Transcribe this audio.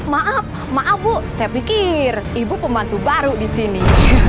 maaf maaf bu saya pikir ibu pembantu baru di sini